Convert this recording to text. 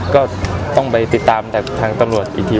ก็ต้องไปติดตามจากทางตำรวจอีกที